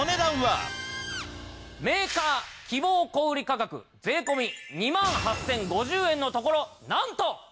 メーカー希望小売価格税込２万８０５０円のところなんと。